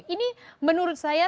delapan puluh ini menurut saya